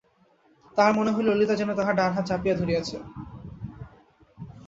তাহার মনে হইল ললিতা যেন তাহার ডান হাত চাপিয়া ধরিয়াছে।